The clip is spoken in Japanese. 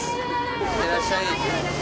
いってらっしゃい。